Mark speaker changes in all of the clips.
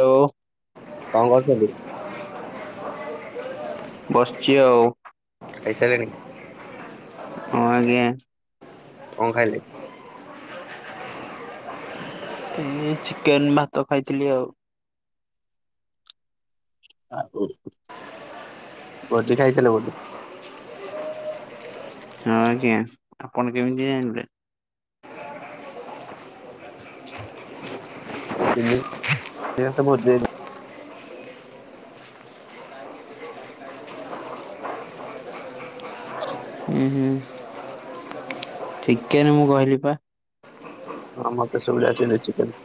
Speaker 1: Hello!
Speaker 2: କଣ କରୁଛନ୍ତି?
Speaker 1: ବସିଛି ଆଉ।
Speaker 2: ଖାଇ ସାରିଲେଣି?
Speaker 1: ହଁ, ଆଜ୍ଞା।
Speaker 2: କଣ ଖାଇଲେ?
Speaker 1: ମୁଁ ଏଇ ଚିକେନ ଭାତ ଖାଇଥିଲି ଆଉ।
Speaker 2: ଆଉ ଭୋଜି ଖାଇଥିଲ ବୋଧେ?
Speaker 1: ହଁ, ଆଜ୍ଞା ଆପଣ କେମିତି ଜାଣିଲେ?
Speaker 2: [inaudible] ଏଇ ଗୁଡା ସବୁ ଭୋଜି ଆଇଟମ।
Speaker 1: ଉଁ ହୁଁ। ଚିକେନ ମୁଁ କହିଲି ପା।
Speaker 2: ହଁ, ମତେ ଶୁଭିଲା ଚିଲି ଚିକେନ।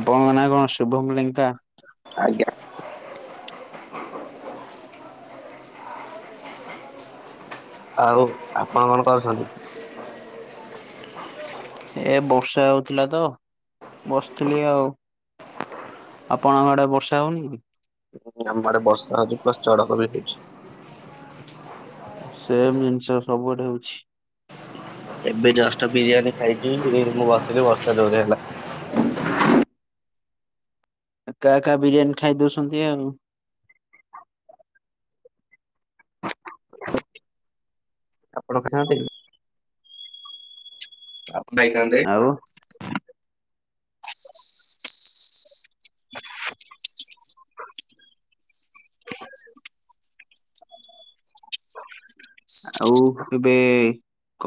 Speaker 1: ଆପଣଙ୍କ ନାଁ କଣ ଶୁଭମ ଲେଙ୍କା?
Speaker 2: ଆଜ୍ଞା‌ ଆଉ ଆପଣ କଣ କରୁଛନ୍ତି?
Speaker 1: ଏ ବର୍ଷା ହଉଥିଲା ତ ବସିଥିଲି ଆଉ। ଆପଣଙ୍କ ଆଡେ ବର୍ଷା ହଉନି କି?
Speaker 2: [unintelligible] ଆମଆଡେ ବର୍ଷା ହଉଛି, ପ୍ଲସ ଚଡକ ବି ହଉଛି।
Speaker 1: ସେମ୍ ଜିନିଷ ସବୁଆଡେ ହଉଛି।
Speaker 2: ଏବେ ଜଷ୍ଟ ବିରିୟାନୀ ଖାଇକି ମୁଁ ବସିଲି ବର୍ଷା ଜୋରେ ହେଲା।
Speaker 1: ଏକା ଏକା ବିରିୟାନୀ ଖାଇ ଦଉସୁନ୍ତି ଆଉ।
Speaker 2: ଆପଣ ଖାନ୍ତିନି? [unintelligible]
Speaker 1: ଆଉ? ଆଉ ଏବେ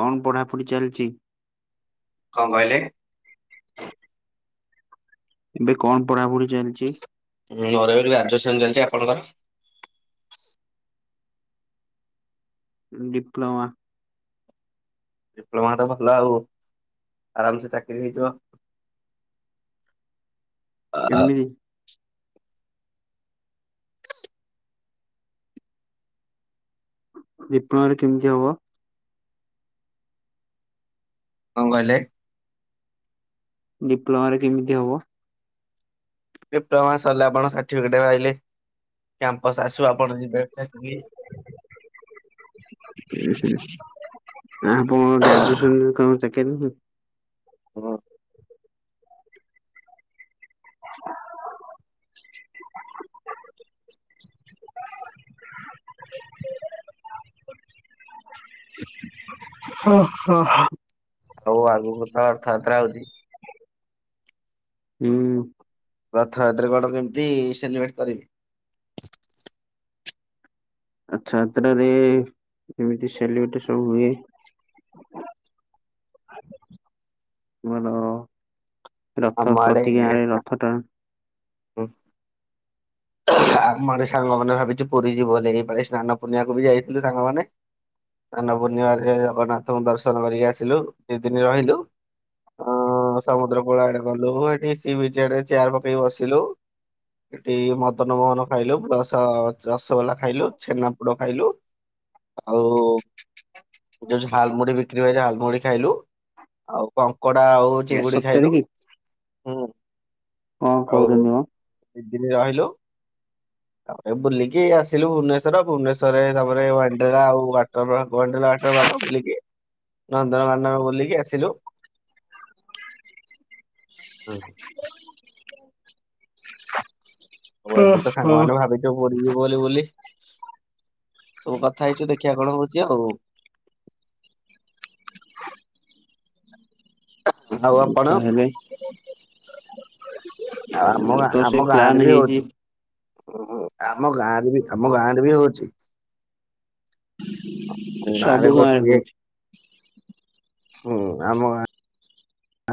Speaker 1: କଣ ପଢାପଢି ଚାଲିଚି?
Speaker 2: କଣ କହିଲେ?
Speaker 1: ଏବେ କଣ ପଢାପଢି ଚାଲିଚି?
Speaker 2: ହୁଁ, ମୋର ଏବେ ଗ୍ରାଜୁଏସନ୍ ଚାଲିଛି, ଆପଣଙ୍କର?
Speaker 1: ଡିପ୍ଲୋମା।
Speaker 2: ଡିପ୍ଲୋମା ତ ଭଲ ଆଉ ଆରାମ ସେ ଚାକିରି ହେଇଯିବ।
Speaker 1: କେମିତି? ଡିପ୍ଲୋମାରେ କେମିତି ହବ?
Speaker 2: କଣ କହିଲେ?
Speaker 1: ଡିପ୍ଲୋମାରେ କେମିତି ହବ?
Speaker 2: ଡିପ୍ଲୋମା ସରିଲେ ଆପଣ ସାର୍ଟିଫିକେଟ ପାଇଲେ, କ୍ୟାମ୍ପସ ଆସିବ ଆପଣ ଯିବେ ଚାକିରୀ।
Speaker 1: ଏ ଆ ଆପଣଙ୍କ ଗ୍ରାଜୁଏସନ୍ ରେ କଣ ଚାକିରି ଏବେ
Speaker 2: ହଁ।
Speaker 1: ଓ ହ ହ।
Speaker 2: ହଉ ଆଗୁକୁ ତ ରଥଯାତ୍ରା ହଉଚି।
Speaker 1: ହୁଁ।
Speaker 2: ରଥଯାତ୍ରା କଣ କେମିତି ସେଲିବେଟ୍ କରି
Speaker 1: ଆଚ୍ଛା ଆତ୍ରାରେ କେମିତି ସେଲିବେଟ ସବୁ ହୁଏ? ତୁମର
Speaker 2: ଆମ
Speaker 1: ରଥ ପ୍ରତି ଗାଁରେ ରଥ ଟାଣ।
Speaker 2: ଉ ଆମ ଆଡ଼େ ସାଙ୍ଗମାନେ ଭାବିଚୁ ପୁରୀ ଯିବୁ ବୋଲି ଏଇ ପାଳି ସ୍ନାନ ପୁର୍ଣିମାକୁ ବି ଯାଇଥିଲୁ ସାଙ୍ଗମାନେ। ଆନ ପୂର୍ଣ୍ଣିିବାରରେ ଜଗନ୍ନାଥଙ୍କୁ ଦର୍ଶନ କରି ଆସିଲୁ ଦି ଦିନି ରହିଲୁ। ଅଁ ସମୁଦ୍ର କୂଳ ଆଡ଼େ ଗଲୁ ଏଠି ସି ବିଚ୍ ଆଡ଼େ ଚିୟାର ପକେଇ ବସିଲୁ। ଏଇ ମଦନ ମୋହନ ଖାଇଲୁ ରସ ରସଗୋଲା ଖାଇଲୁ ଛେନା ପୋଡ଼ ଖାଇଲୁ। ଆଉ ଯୋଉ ଝାଲ ମୁଢ଼ି ବିକ୍ରି ହୁଏ ଝାଲ ମୁଢ଼ି ଖାଇଲୁ ଆଉ କଙ୍କଡ଼ା ଆଉ ଉ ଚିଙ୍ଗୁଡ଼ି
Speaker 1: ସତରେ
Speaker 2: ଖାଇଲୁ।
Speaker 1: କି
Speaker 2: ହୁଁ
Speaker 1: କଣ
Speaker 2: ଆଉ
Speaker 1: କହୁଛନ୍ତି ମ?
Speaker 2: ଦି ଦିନି ରହିଲୁ। ତାପରେ ବୁଲିକି ଆସିଲୁ ଭୁବନେଶ୍ଵର ଭୁବନେଶ୍ୱରରେ ତାପରେ ୱଣ୍ଡେରା ଆଉ ୱାଟର ୱାଣ୍ଡେଲା ୱାଟର ପାର୍କ ବୁଲିକି ନନ୍ଦନକାନାନ ବୁଲିକି ଆସିଲୁ। ହୁଁ ହୁଁ ‌ ହଉ
Speaker 1: ହଁ
Speaker 2: ଏବେ ତ
Speaker 1: ହଁ।
Speaker 2: ସାଙ୍ଗମାନେ ଭାବି ସବୁ କଥା ହେଇଚୁ ଦେଖିଆ କଣ ହଉଚି ଆଉ। ଆଉ
Speaker 1: ଉଁ
Speaker 2: ଆପଣ
Speaker 1: ତାହେଲେ
Speaker 2: ଆଉ ଆମ ଗାଁ
Speaker 1: ତ ସେ
Speaker 2: ଆମ ଗାଁ
Speaker 1: ପ୍ଲାନ
Speaker 2: ଆଡ଼େ ବି
Speaker 1: ହେଇଛି
Speaker 2: ହଉଚି। ଉଁ ଆମ ଗାଁରେ ବି ଆମ ଗାଁରେ ବି ହଉଚି।
Speaker 1: ସବୁ
Speaker 2: ଗାଁରେ ଗୋଟିଏ
Speaker 1: ହଉଛି
Speaker 2: ହୁଁ ଆମ ଗାଁ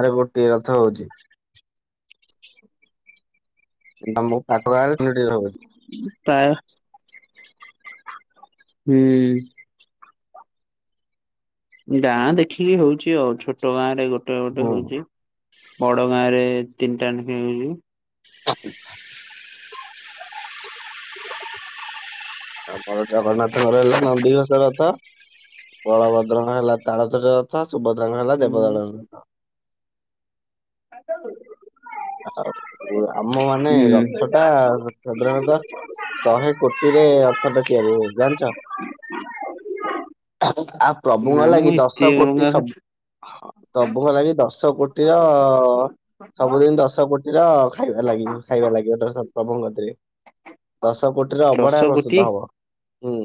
Speaker 2: ଆରେ ଗୋଟେ ରଥ ହଉଚି। ତମ ପାଖ ଗାଁରେ ତିନୋଟି ଥ ହୁଏ।
Speaker 1: ପା ହୁଁ। ଗାଁ ଦେଖିକି ହଉଚି ଆଉ ଛୋଟ ଗାଁରେ ଗୋଟେ ଗୋଟେ
Speaker 2: ହୁଁ
Speaker 1: ହଉଚି। ବଡ ଗାଁରେ ତିନିଟା ନେଖେ ଉଇ।
Speaker 2: ଅ ଆ ବଳ ଜଗନ୍ନାଥଙ୍କର ହେଲା ନନ୍ଦିଘୋଷ ରଥ ବଳଭଦ୍ରଙ୍କ ହେଲା ତାଳଧ୍ଵଜ ର ଛ ସୁଭଦ୍ରାଙ୍କ ହେଲା
Speaker 1: ହୁଁ।
Speaker 2: ଦେବଦଳନ ରଥ।
Speaker 1: ଆ ସବୁ
Speaker 2: ଆଉ ଆମ ମାନେ
Speaker 1: ହୁଁ
Speaker 2: ରଥଟା ସାଧାରଣତଃ ଶହେ କୋ ତିରେ ରଥଟା ତିଆରି ହୁଏ ଜାଣିଚ? ଆ
Speaker 1: ନା
Speaker 2: ପ୍ରଭୁଙ୍କ
Speaker 1: ମ
Speaker 2: ଲାଗି
Speaker 1: ଏତେ
Speaker 2: ଦଶ କୋଟି
Speaker 1: ଅଲଗା
Speaker 2: ସବୁ ପ୍ରଭୁଙ୍କ ଲାଗି ଦଶ କୋଟିର ସବୁ ଦିନ ଦଶ କୋ ତିର ଖାଇବା ଲଗି ହୁଏ ଖାଇବା ଲାଗିବ ତାଙ୍କ ସ ପ୍ରଭୁଙ୍କ କତିରେ। ଦଶ କୋଟିର
Speaker 1: ଦଶ
Speaker 2: ଅବଢ଼ା
Speaker 1: କୋଟି
Speaker 2: ପ୍ରସ୍ତୁତ ହବ ହୁଁ।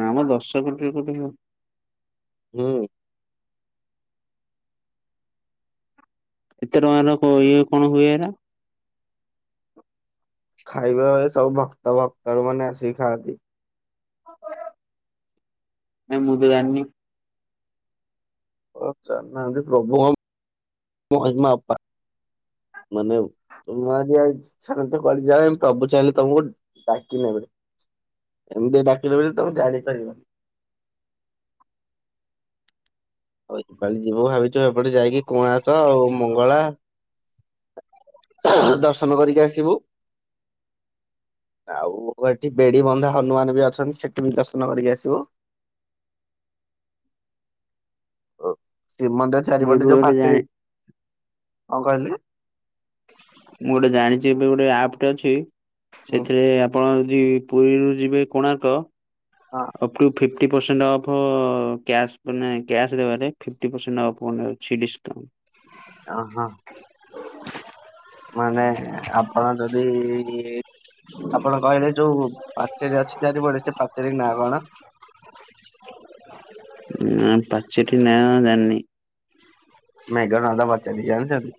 Speaker 1: ନାଁ ମ ଦଶ କୋଟିର କୋଉଠି ହୁଏ?
Speaker 2: ହୁଁ।
Speaker 1: ଏତେ ଟଙ୍କାର ଇଏ କଣ ହୁଏ ଏରା।
Speaker 2: ଖାଇବା ବେଳେ ସବୁ ଭକ୍ତ ଭକ୍ତ ର ମାନେ ଆସିିକି ଖାଆନ୍ତି।
Speaker 1: କାଇଁ ମୁଁ ତ ଜାଣିନି?
Speaker 2: ଜାଣିନାହାନ୍ତି ପ୍ରଭୁ ମହିମା ଅପାର ମାନେ ତମଜିି ଆଉ ଛାନ ତ କଆ ଯା ପ୍ରଭୁ ଚାହିଁଲେ ତମକୁ ଡାକି ନେବେ। ଏମିତି ଡାକିନେବେ ଯେ ତମେ ଜାଣିପାରିବନି? ଆଉ ଏପାଳି ଯିବୁ ଭାବିଛୁ ଏପଟେ ଯାଇକି କୋଣାର୍କ ଆଉ ମଙ୍ଗଳା ଦର୍ଶନ କରିକି ଆସିବୁ। ଆଉ ଏଠି ବେଡି ବନ୍ଧା ହନୁମାନ ବି ଅଛନ୍ତି ସେଠି ବି ଦର୍ଶନ କରିକି ଆସିବୁ। ଓ ଶ୍ରୀମନ୍ଦିର
Speaker 1: ମୁଁ ଏବେ
Speaker 2: ଚାରିପଟେ ଯୋଉ
Speaker 1: ଗୋଟେ ଜାଣି
Speaker 2: ପାଚେରୀ କଣ କହିଲେ?
Speaker 1: ମୁଁ ଗୋଟେ ଜାଣିଛି ଏବେ ଗୋଟେ ଆପଟେ ଅଛି
Speaker 2: ହୁଁ
Speaker 1: ସେଥିରେ ଆପଣ ଯଦି ପୁରୀରୁୁ ଯିବେ କୋଣାର୍କ
Speaker 2: ହଁ
Speaker 1: [inaudible] ଫିଫ୍ଟି ପରସେଣ୍ଟ ଅଫ୍ କ୍ୟାସ ମାନେ କ୍ୟାସ ଦେବ ଫିଫ୍ଟି ପରସେଣ୍ଟ ଅଫ୍ ମାନେ ଅଛି ଡିସକାଉଣ୍ଟ।
Speaker 2: ଓହୋ। ମାନେ ଆପଣ ଯଦି ଆପଣ କହିଲେ ଯୋଉ ପାଚେରୀ ଅଛି ଚାରିପଟେ ସେ ପାଚେରୀ ନାଁ କଣ?
Speaker 1: ଉଁ ପାଚେରି ନାଁ ଜାଣିନି।
Speaker 2: ମେଘନାଦ ପାଚେରି ଜାଣିଛନ୍ତି?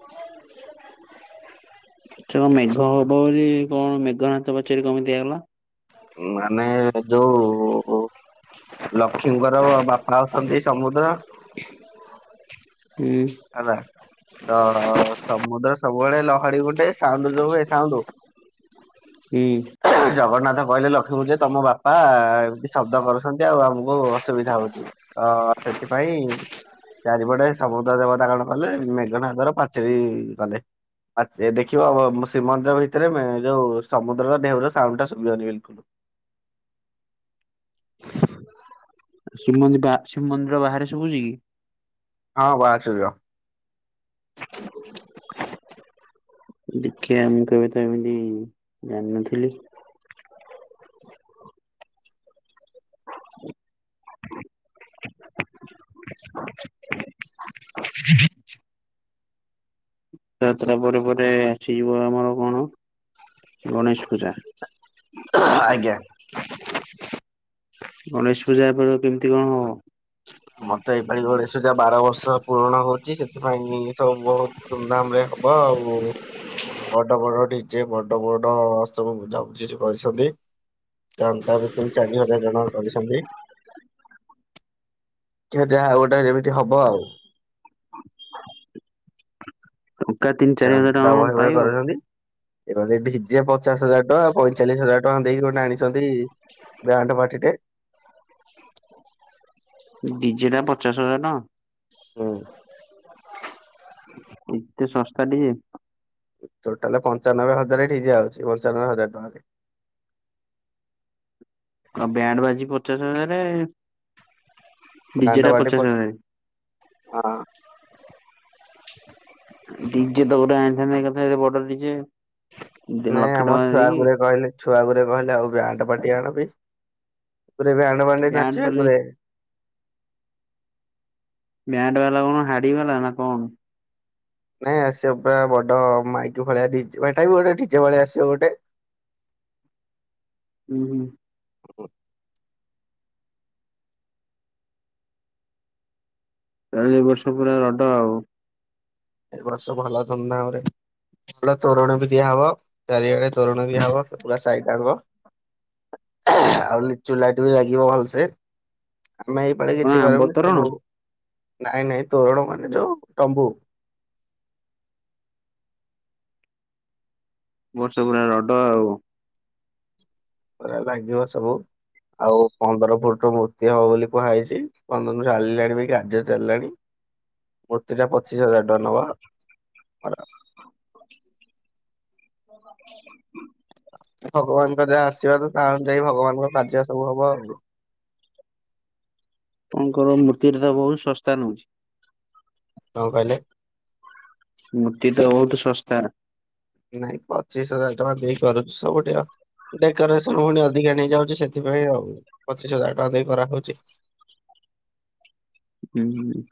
Speaker 1: ସେ ମେଘ ହବ ବୋଲି କଣ ମେଘନାଥ ପାଚେରି କେମିତି ହେଇଗଲା?
Speaker 2: ମାନେ ଯୋଉ ଲକ୍ଷ୍ମୀଙ୍କର ବାପା ଅଛନ୍ତି ସମୁଦ୍ର
Speaker 1: ହୁଁ।
Speaker 2: ହେଲା ତ ସମୁଦ୍ର ସବୁବେଳେ ଲହଡି ଗୁଟେ ସାଉଣ୍ଡୁ ଯୋଉ ହୁଏ ସାଉଣ୍ଡୁ।
Speaker 1: ହୁଁ।
Speaker 2: ଜଗନ୍ନାଥ। କହିଲେ ଲକ୍ଷ୍ମୀଙ୍କୁଯେ ତମ ବାପା ଏମତି ଶବ୍ଦ କରୁଛନ୍ତି ଆଉ ଆମକୁ ଅସୁବିଧା ହଉଛି। ଅ ସେଥିପାଇଁ ଚାରିପଟେ ସମୁଦ୍ର ଦେବତାରଣ କଲେ ମେଘନାଦର ପାଚେରି ବି କଲେ। ଆଛ ଦେଖିବ ଶ୍ରୀମନ୍ଦିର ଭିତରେ ଯୋଉ ସମୁଦ୍ରର ଢେଉର ସାଉଣ୍ଡ ଟା ସୁଭେନି ବୋଲି।
Speaker 1: ଶ୍ରୀମନ୍ଦିର ବା ଶ୍ରୀମନ୍ଦିର ବାହାରେ ଶୁଭୁଛି କି?
Speaker 2: ହଁ [inaudible]
Speaker 1: ଦେଖିବା ମୁଁ କେବେ ତ ଏମିତି ଜାଣିନଥିଲି? ତାପରେ ପରେ ଆସିଯିବ ଆମର କଣ? ଗଣେଶ ପୂଜା।
Speaker 2: ଆଜ୍ଞା।
Speaker 1: ଗଣେଶ ପୂଜାରେ କେମିତି କଣ?
Speaker 2: ମତେ ଏଇଭଳି ଓଣ ସୁ ଯା ବାର ବର୍ଷ ପୂରଣ ହଉଛି ସେଥିପାଇଁ ସବୁ ବହୁତ ଧୁମଧାମରେ ହବ ଆଉ ବଡ ବଡ ଡିଯେ ବଡ ବଡ ସ୍ତବ ବୁଝାବୁଛି ସେ କରିଛନ୍ତି। ଚାନ୍ଦା ବି ତିନ ଚାରି ହଜାର ଟଙ୍କା କରିଛନ୍ତି। ଯାହା ଗୋଟେ ଯେମିତି ହବ ଆଉ।
Speaker 1: ଟଙ୍କା ତିନି ଚାରି ହଜାର ଟଙ୍କା କ ପାଇବ?
Speaker 2: ଏ ଢିଜେ ପଚାଶ ହଜାର ଟଙ୍କା ପଇଁଚାଳିଶ ହଜାର ଟଙ୍କା ଦେଇକି ଗୋଟେ ଆଣିଚନ୍ତି ବ୍ୟାଣ୍ଟ ପାଟିଟେ।
Speaker 1: ଡିଜେଟା ପଚାଶ ହଜାର
Speaker 2: ହୁଁ
Speaker 1: ଟଙ୍କା? ଏତେ ଶସ୍ତା ଡିଜେ।
Speaker 2: ଟୋଟାଲ ପଞ୍ଚାନବେ ହଜାର ଡିଜେ ଆଉଚି ପଞ୍ଚାନବେ ହଜାର ଟଙ୍କାରେ।
Speaker 1: ଆଉ ବ୍ୟାଣ୍ଡ ବାଜି ପଚାଶ ହଜାର।
Speaker 2: ବ୍ୟାଣ୍ଡ
Speaker 1: ଡିଜେଟା
Speaker 2: ପାର୍ଟି ହଁ
Speaker 1: ପଚାଶ ହଜାର। ଡି ଯେ ତ ଗୋଟେ ଆଣିଥାନ୍ତେ ଏକାଥରେ ବଡ ଡିଜେ।
Speaker 2: ନାଇଁ
Speaker 1: ଲକ୍ଷେ
Speaker 2: ଆମର
Speaker 1: ଟଙ୍କା
Speaker 2: ଛୁଆ
Speaker 1: ଦେଇକି
Speaker 2: ଗୁଡ଼େ କହିଲେ ଛୁଆ ଗୁରେ କହିଲେ ଆଉ ବ୍ୟାଣ୍ଡ ପାଟି ଆଣ ବି ଗୁରେ ବ୍ୟାଣ୍ଡ ପାଟି
Speaker 1: ବ୍ୟାଣ୍ଡ
Speaker 2: ନଚିବେ
Speaker 1: ବାଲି
Speaker 2: ଗୁରେ।
Speaker 1: ବ୍ୟାଣ୍ଡ ବାଲା କଣ ହାଡିଗଲା ନା କଣ?
Speaker 2: ନାଇଁ ଆସିବ ପୁରା ବଡ ମାଇକି ଭଳିଆ ମାଇଟା ବି ଗୋଟେ ଢଜେ ଭଳିଆ ଆସିବ ଗୋଟେ।
Speaker 1: ହୁଁ ହୁଁ
Speaker 2: ହ
Speaker 1: ତାଲେ ଏ ବର୍ଷ ପୁରା ରଡ ଆଉ।
Speaker 2: ଏ ବର୍ଷ ଭଲ ଧୁମ ଧାମ ରେ। ଭଲ ତୋରଣ ବି ଦିଆ ହବ ଚାରିଆଡେ ତୋରଣ ଦିଆ ହବ ସେ ପୁରା ସାଇଟାଙ୍କ। ଆଉ ଲିଚୁ ଲାଇଟି ବି ଲାଗିବ ଭଲସେ। ଆମେ ସବେଳେ
Speaker 1: କଣ
Speaker 2: କିଛି
Speaker 1: ଆମ୍ବ
Speaker 2: କରିବୁନି
Speaker 1: ତୋରଣ
Speaker 2: ସବୁ ନାଇଁ ନାଇଁ ତୋରଣ ମାନେ ଯୋଉ ତମ୍ବୁ
Speaker 1: ମୋର ତ ପୁରା ରଡ ଆଉ।
Speaker 2: ପରା ଲାଗିବ ସବୁ। ଆଉ ପନ୍ଦର ଫୁଟ ର ମୂର୍ତି ହବ ବୋଲି କୁହାଯାଇଚି ପନ୍ଦର ଫଟ ଚାଲିଲାଣି ବି କାର୍ଯ୍ୟରେ ଚାଲିଲାଣି। ମୂର୍ତ୍ତି ଟା ପଚିଶ ହଜାର ଟଙ୍କା ନବ।
Speaker 1: [unintelligible]
Speaker 2: ଭଗବାନଙ୍କର ଯାହା ଆସୀବାଦ ତା ଅନୁଯାୟୀ ଭଗବାନଙ୍କ କାର୍ଯ୍ୟ ସବୁ ହବ ଆଉ।
Speaker 1: ଆପଣଙ୍କର ମୂର୍ତ୍ତିରେ ତ ବହୁତ ଶସ୍ତା ନୋଉଚି।
Speaker 2: କଁ କହିଲେ?
Speaker 1: ମୂର୍ତ୍ତି ଟା ବହୁତ ଶସ୍ତା।
Speaker 2: ନାଇଁ ପଚିଶି ହଜାର ଟଙ୍କା ଦେଇପାରୁଚୁ ସବୁଠି ଆଉ। ଡେକୋରେସନ ପୁଣି ଅଧିକା ନେଇଯାଉଚି ସେଥିପାଇଁ ଆଉ ପଚିଶ ହଜାର ଟଙ୍କା ଦେଇ କରାହଉଚି।
Speaker 1: ହୁଁ।